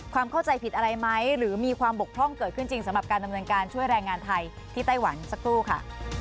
เข้าใจผิดอะไรไหมหรือมีความบกพร่องเกิดขึ้นจริงสำหรับการดำเนินการช่วยแรงงานไทยที่ไต้หวันสักครู่ค่ะ